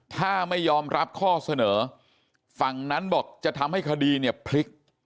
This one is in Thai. ถ้าไม่ยอมรับข้อเสนอฝั่งนั้นบอกจะทำให้คดีเนี่ยพลิก